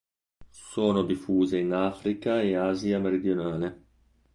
Sono diffuse in Africa e Asia meridionale.